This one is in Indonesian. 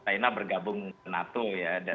ukraina bergabung dengan nato